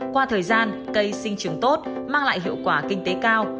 qua thời gian cây sinh trưởng tốt mang lại hiệu quả kinh tế cao